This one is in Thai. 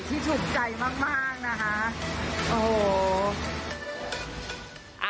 ที่ถูกใจมากโตนะว่า